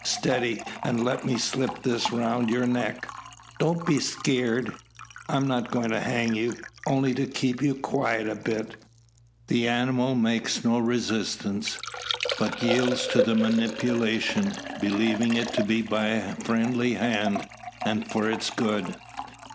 Steady, and let me slip this round your neck. Don't be skeeart. I'm not goin' to hang you only to keep you quiet a bit." The animal makes no resistance; but yields to the manipulation, believing it to be by a friendly hand, and for its good.